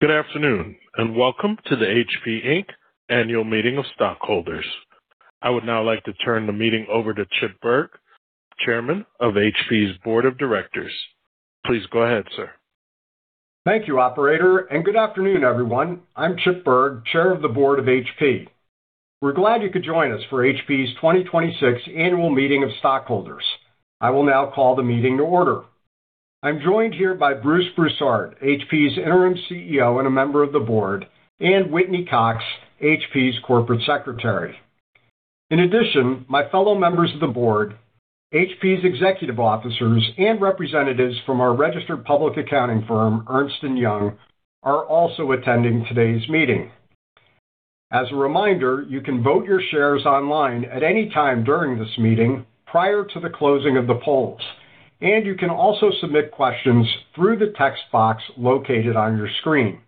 Good afternoon, and welcome to the HP Inc. Annual Meeting of Stockholders. I would now like to turn the meeting over to Chip Bergh, Chairman of HP's Board of Directors. Please go ahead, sir. Thank you, operator, and good afternoon, everyone. I'm Chip Bergh, Chair of the Board of HP. We're glad you could join us for HP's 2026 Annual Meeting of Stockholders. I will now call the meeting to order. I'm joined here by Bruce Broussard, HP's Interim CEO and a member of the Board, and Whitney Cox, HP's Corporate Secretary. In addition, my fellow members of the Board, HP's Executive Officers, and representatives from our registered public accounting firm, Ernst & Young, are also attending today's meeting. As a reminder, you can vote your shares online at any time during this meeting prior to the closing of the polls, and you can also submit questions through the text box located on your screen.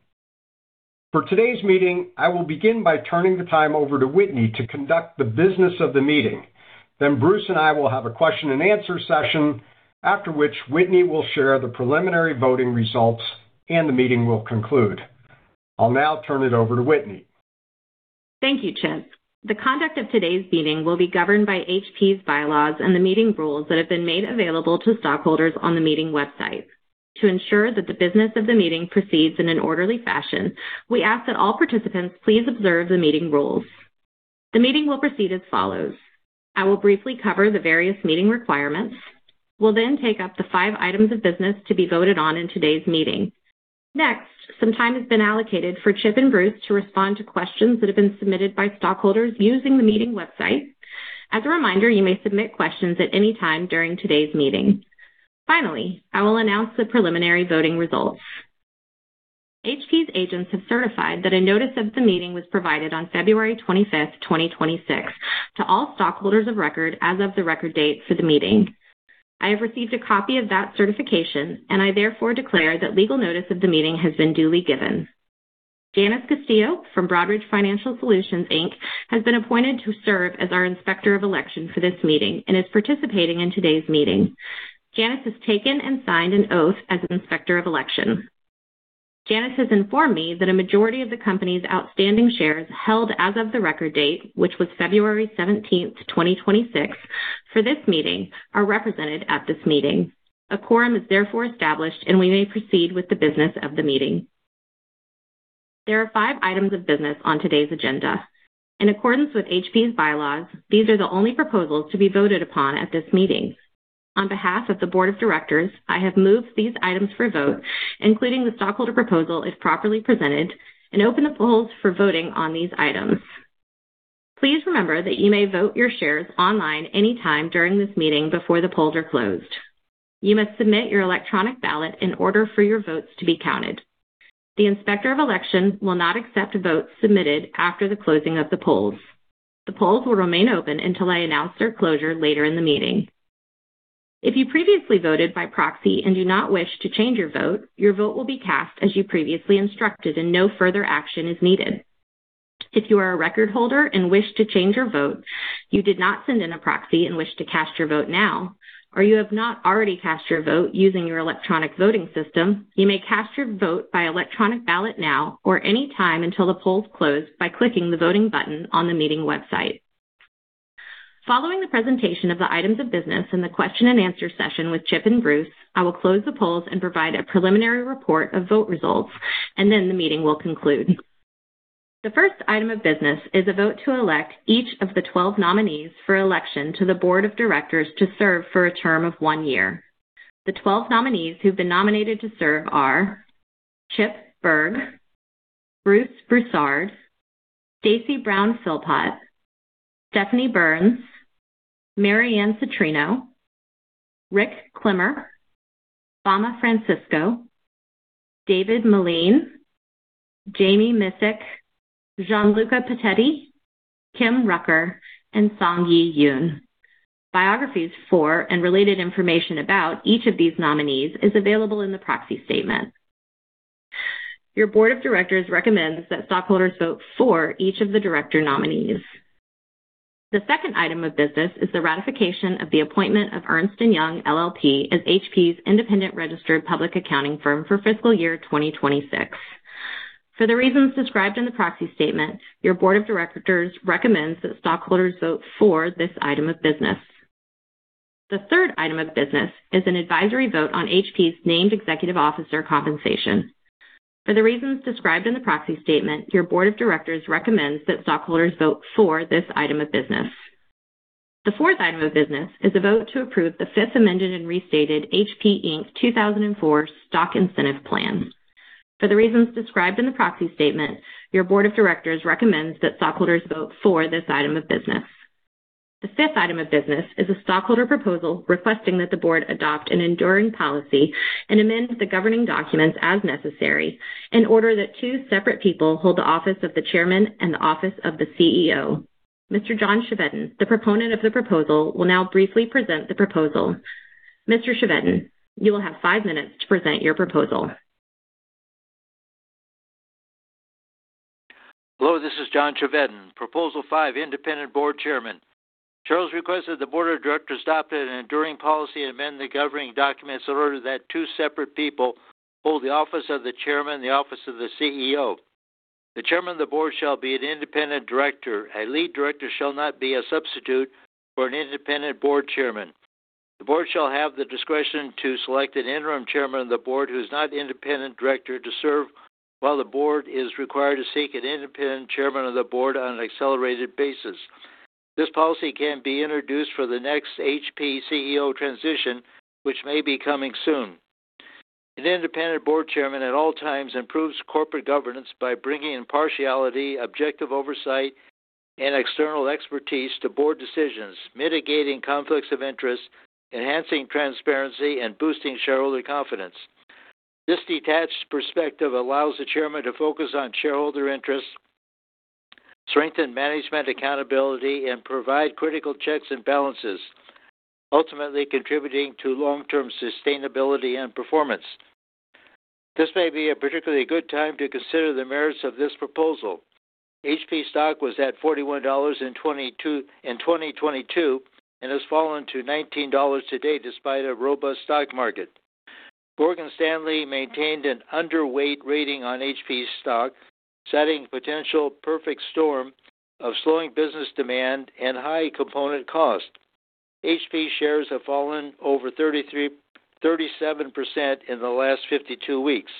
For today's meeting, I will begin by turning the time over to Whitney to conduct the business of the meeting. Bruce and I will have a question-and-answer session, after which Whitney will share the preliminary voting results, and the meeting will conclude. I'll now turn it over to Whitney. Thank you, Chip. The conduct of today's meeting will be governed by HP's bylaws and the meeting rules that have been made available to stockholders on the meeting website. To ensure that the business of the meeting proceeds in an orderly fashion, we ask that all participants please observe the meeting rules. The meeting will proceed as follows. I will briefly cover the various meeting requirements. We'll then take up the five items of business to be voted on in today's meeting. Next, some time has been allocated for Chip and Bruce to respond to questions that have been submitted by stockholders using the meeting website. As a reminder, you may submit questions at any time during today's meeting. Finally, I will announce the preliminary voting results. HP's agents have certified that a notice of the meeting was provided on February 25th, 2026, to all stockholders of record as of the record date for the meeting. I have received a copy of that certification, and I therefore declare that legal notice of the meeting has been duly given. Janice Castillo from Broadridge Financial Solutions Inc. has been appointed to serve as our Inspector of Election for this meeting and is participating in today's meeting. Janice has taken and signed an oath as an Inspector of Election. Janice has informed me that a majority of the company's outstanding shares held as of the record date, which was February 17th, 2026, for this meeting, are represented at this meeting. A quorum is therefore established, and we may proceed with the business of the meeting. There are five items of business on today's agenda. In accordance with HP's bylaws, these are the only proposals to be voted upon at this meeting. On behalf of the Board of Directors, I have moved these items for a vote, including the stockholder proposal, if properly presented, and open the polls for voting on these items. Please remember that you may vote your shares online anytime during this meeting before the polls are closed. You must submit your electronic ballot in order for your votes to be counted. The Inspector of Election will not accept votes submitted after the closing of the polls. The polls will remain open until I announce their closure later in the meeting. If you previously voted by proxy and do not wish to change your vote, your vote will be cast as you previously instructed and no further action is needed. If you are a record holder and wish to change your vote, you did not send in a proxy and wish to cast your vote now, or you have not already cast your vote using your electronic voting system, you may cast your vote by electronic ballot now or any time until the polls close by clicking the voting button on the meeting website. Following the presentation of the items of business and the question-and-answer session with Chip and Bruce, I will close the polls and provide a preliminary report of vote results, and then the meeting will conclude. The first item of business is a vote to elect each of the 12 nominees for election to the Board of Directors to serve for a term of one year. The 12 nominees who've been nominated to serve are Chip Bergh, Bruce Broussard, Stacy Brown-Philpot, Stephanie Burns, Mary Anne Citrino, Rich Clemmer, Fama Francisco, David Meline, Jami Miscik, Gianluca Pettiti, Kim Rucker, and Songyee Yoon. Biographies for and related information about each of these nominees is available in the proxy statement. Your Board of Directors recommends that stockholders vote for each of the Director nominees. The second item of business is the ratification of the appointment of Ernst & Young LLP as HP's independent registered public accounting firm for fiscal year 2026. For the reasons described in the proxy statement, your Board of Directors recommends that stockholders vote for this item of business. The third item of business is an advisory vote on HP's named Executive Officer Compensation. For the reasons described in the proxy statement, your Board of Directors recommends that stockholders vote for this item of business. The fourth item of business is a vote to approve the Fifth Amended and Restated HP Inc. 2004 Stock Incentive Plan. For the reasons described in the proxy statement, your Board of Directors recommends that stockholders vote for this item of business. The fifth item of business is a stockholder proposal requesting that the Board adopt an enduring policy and amend the governing documents as necessary in order that two separate people hold the office of the Chairman and the office of the CEO. Mr. John Chevedden, the proponent of the proposal, will now briefly present the proposal. Mr. Chevedden, you will have five minutes to present your proposal. Hello, this is John Chevedden. Proposal Five: Independent Board Chairman. Charles requested the Board of Directors adopt an enduring policy and amend the governing documents in order that two separate people hold the office of the Chairman and the office of the CEO. The Chairman of the Board shall be an independent Director. A lead Director shall not be a substitute for an independent Board Chairman. The Board shall have the discretion to select an Interim Chairman of the Board, who is not independent Director, to serve while the Board is required to seek an independent Chairman of the Board on an accelerated basis. This policy can be introduced for the next HP CEO transition, which may be coming soon. An independent Board Chairman at all times improves corporate governance by bringing impartiality, objective oversight, and external expertise to Board decisions, mitigating conflicts of interest, enhancing transparency, and boosting shareholder confidence. This detached perspective allows the Chairman to focus on shareholder interests, strengthen management accountability, and provide critical checks and balances, ultimately contributing to long-term sustainability and performance. This may be a particularly good time to consider the merits of this proposal. HP stock was at $41 in 2022, and has fallen to $19 today, despite a robust stock market. Morgan Stanley maintained an underweight rating on HP stock, citing potential perfect storm of slowing business demand and high component cost. HP shares have fallen over 37% in the last 52 weeks.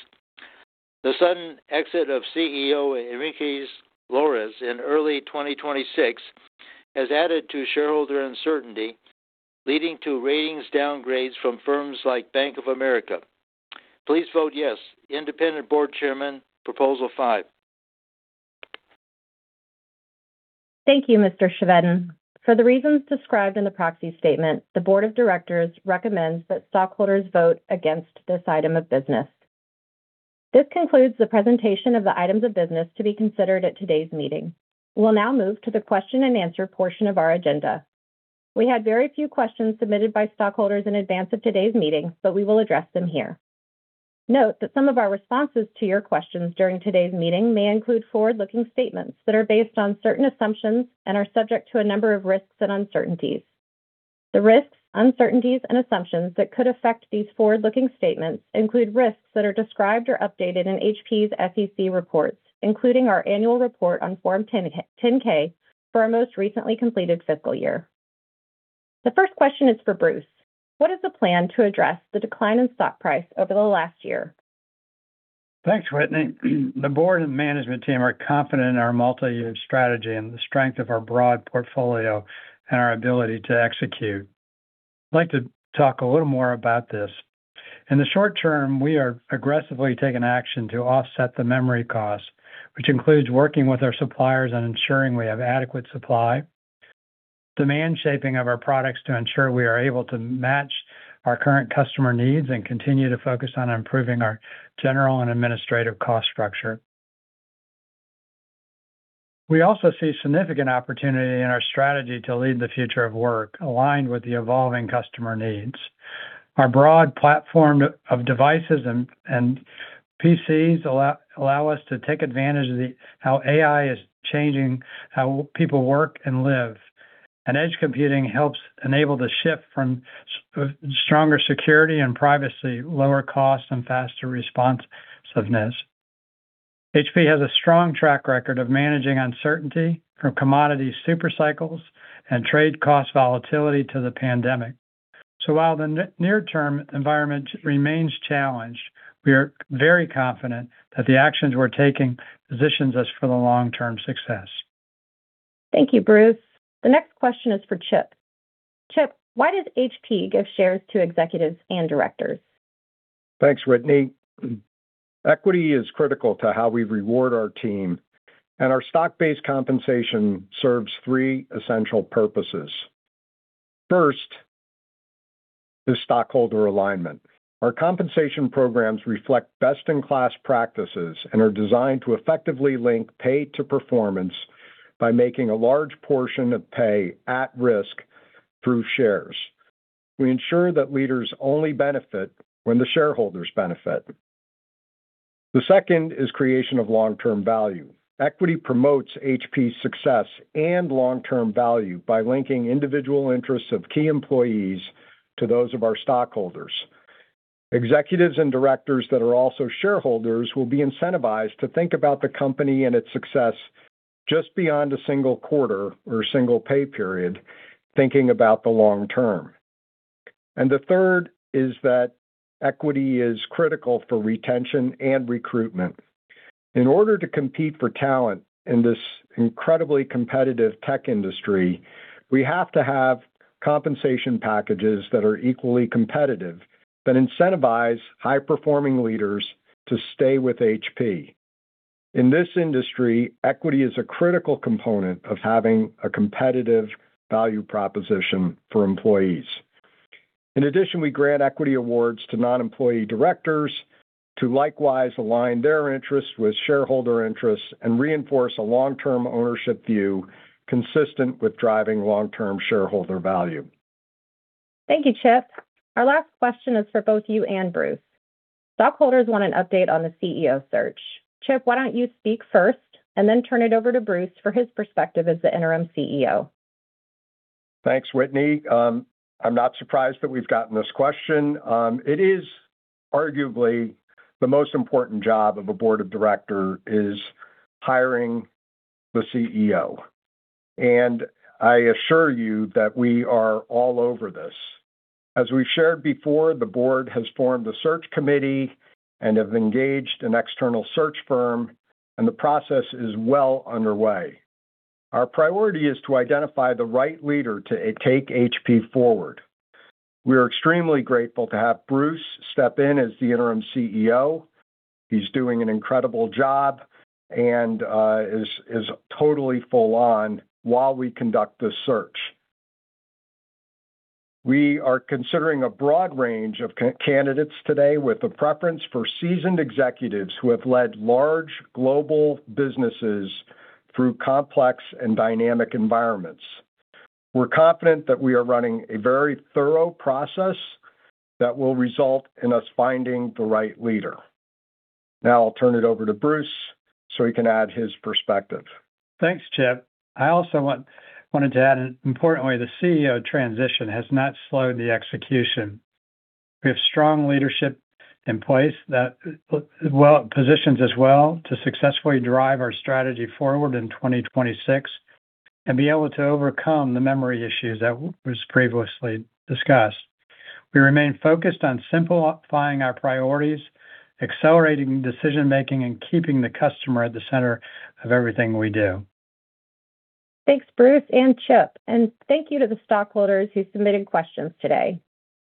The sudden exit of CEO Enrique Lores in early 2026 has added to shareholder uncertainty, leading to ratings downgrades from firms like Bank of America. Please vote yes. Independent Board Chairman, Proposal Five. Thank you, Mr. Chevedden. For the reasons described in the proxy statement, the Board of Directors recommends that stockholders vote against this item of business. This concludes the presentation of the items of business to be considered at today's meeting. We'll now move to the question-and-answer portion of our agenda. We had very few questions submitted by stockholders in advance of today's meeting, but we will address them here. Note that some of our responses to your questions during today's meeting may include forward-looking statements that are based on certain assumptions and are subject to a number of risks and uncertainties. The risks, uncertainties, and assumptions that could affect these forward-looking statements include risks that are described or updated in HP's SEC reports, including our annual report on Form 10-K for our most recently completed fiscal year. The first question is for Bruce. What is the plan to address the decline in stock price over the last year? Thanks, Whitney. The Board and management team are confident in our multi-year strategy and the strength of our broad portfolio and our ability to execute. I'd like to talk a little more about this. In the short term, we are aggressively taking action to offset the memory cost, which includes working with our suppliers and ensuring we have adequate supply, demand shaping of our products to ensure we are able to match our current customer needs, and continue to focus on improving our general and administrative cost structure. We also see significant opportunity in our strategy to lead the future of work, aligned with the evolving customer needs. Our broad platform of devices and PCs allow us to take advantage of how AI is changing how people work and live. Edge computing helps enable the shift from stronger security and privacy, lower cost, and faster responsiveness. HP has a strong track record of managing uncertainty, from commodity super cycles and trade cost volatility to the pandemic. While the near-term environment remains challenged, we are very confident that the actions we're taking positions us for the long-term success. Thank you, Bruce. The next question is for Chip. Chip, why does HP give shares to Executives and Directors? Thanks, Whitney. Equity is critical to how we reward our team, and our stock-based compensation serves three essential purposes. First is stockholder alignment. Our compensation programs reflect best-in-class practices and are designed to effectively link pay to performance by making a large portion of pay at risk through shares. We ensure that leaders only benefit when the shareholders benefit. The second is creation of long-term value. Equity promotes HP's success and long-term value by linking individual interests of key employees to those of our stockholders. Executives and Directors that are also shareholders will be incentivized to think about the company and its success just beyond a single quarter or a single pay period, thinking about the long term. The third is that equity is critical for retention and recruitment. In order to compete for talent in this incredibly competitive tech industry, we have to have compensation packages that are equally competitive, that incentivize high-performing leaders to stay with HP. In this industry, equity is a critical component of having a competitive value proposition for employees. In addition, we grant equity awards to non-employee Directors to likewise align their interests with shareholder interests and reinforce a long-term ownership view consistent with driving long-term shareholder value. Thank you, Chip. Our last question is for both you and Bruce. Stockholders want an update on the CEO search. Chip, why don't you speak first, and then turn it over to Bruce for his perspective as the Interim CEO? Thanks, Whitney. I'm not surprised that we've gotten this question. It is arguably the most important job of a Board of Director is hiring the CEO. I assure you that we are all over this. As we've shared before, the Board has formed a search committee and have engaged an external search firm, and the process is well underway. Our priority is to identify the right leader to take HP forward. We are extremely grateful to have Bruce step in as the Interim CEO. He's doing an incredible job and is totally full on while we conduct this search. We are considering a broad range of candidates today with a preference for seasoned executives who have led large global businesses through complex and dynamic environments. We're confident that we are running a very thorough process that will result in us finding the right leader. Now I'll turn it over to Bruce so he can add his perspective. Thanks, Chip. I also wanted to add, importantly, the CEO transition has not slowed the execution. We have strong leadership in place that positions us well to successfully drive our strategy forward in 2026 and be able to overcome the memory issues that was previously discussed. We remain focused on simplifying our priorities, accelerating decision-making, and keeping the customer at the center of everything we do. Thanks, Bruce and Chip. Thank you to the stockholders who submitted questions today.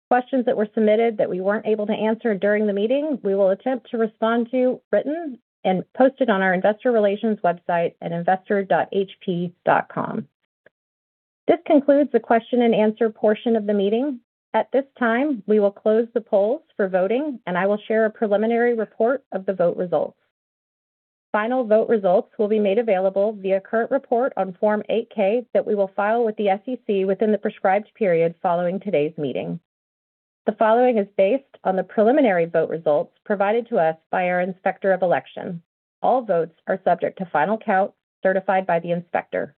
Questions that were submitted that we weren't able to answer during the meeting, we will attempt to respond to in writing and post it on our investor relations website at investor.hp.com. This concludes the question and answer portion of the meeting. At this time, we will close the polls for voting, and I will share a preliminary report of the vote results. Final vote results will be made available via current report on Form 8-K that we will file with the SEC within the prescribed period following today's meeting. The following is based on the preliminary vote results provided to us by our Inspector of Election. All votes are subject to final count certified by the inspector.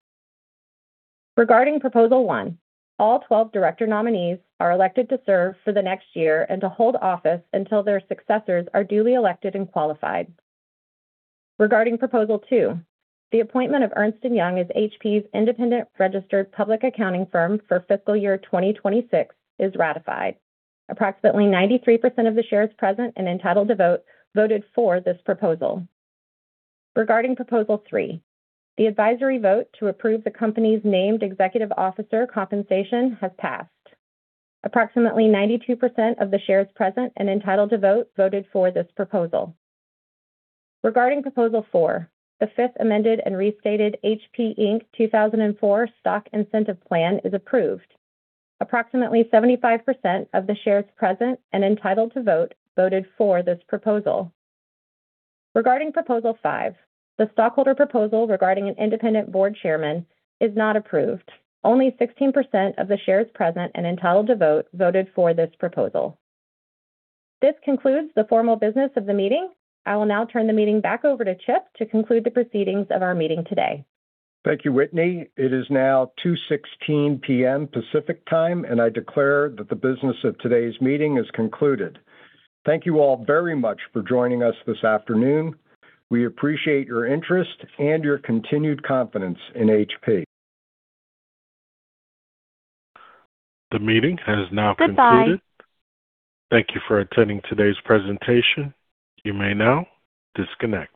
Regarding proposal one, all 12 Director nominees are elected to serve for the next year and to hold office until their successors are duly elected and qualified. Regarding proposal two, the appointment of Ernst & Young as HP's independent registered public accounting firm for fiscal year 2026 is ratified. Approximately 93% of the shares present and entitled to vote voted for this proposal. Regarding proposal three, the advisory vote to approve the company's named Executive Officer Compensation has passed. Approximately 92% of the shares present and entitled to vote voted for this proposal. Regarding proposal four, the Fifth Amended and Restated HP Inc. 2004 Stock Incentive Plan is approved. Approximately 75% of the shares present and entitled to vote voted for this proposal. Regarding proposal five, the stockholder proposal regarding an independent Board Chairman is not approved. Only 16% of the shares present and entitled to vote voted for this proposal. This concludes the formal business of the meeting. I will now turn the meeting back over to Chip to conclude the proceedings of our meeting today. Thank you, Whitney. It is now 2:16 P.M. Pacific Time, and I declare that the business of today's meeting is concluded. Thank you all very much for joining us this afternoon. We appreciate your interest and your continued confidence in HP. The meeting has now concluded. Goodbye. Thank you for attending today's presentation. You may now disconnect.